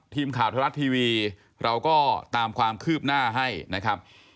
ทีมข่าวไทยรัฐทีวีเราก็ตามความคืบหน้าให้นะครับ